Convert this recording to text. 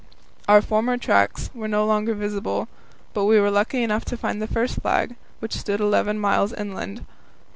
Our former tracks were no longer visible, but we were lucky enough to find the first flag, which stood eleven miles inland.